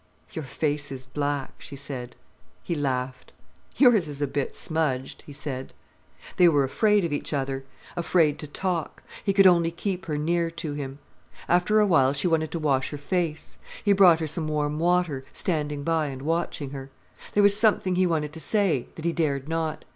"Your face is black," she said. He laughed. "Yours is a bit smudged," he said. They were afraid of each other, afraid to talk. He could only keep her near to him. After a while she wanted to wash her face. He brought her some warm water, standing by and watching her. There was something he wanted to say, that he dared not.